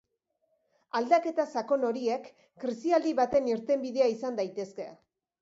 Aldaketa sakon horiek krisialdi baten irtenbidea izan daitezke.